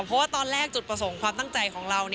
เพราะว่าตอนแรกจุดประสงค์ความตั้งใจของเรา